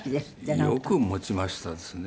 よく持ちましたですね